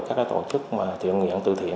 các tổ chức thiệu nghiệm tự thiện